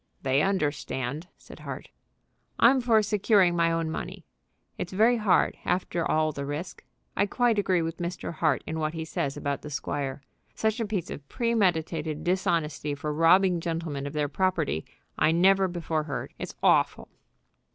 "They understand," said Hart. "I'm for securing my own money. It's very hard, after all the risk. I quite agree with Mr. Hart in what he says about the squire. Such a piece of premeditated dishonesty for robbing gentlemen of their property I never before heard. It's awful."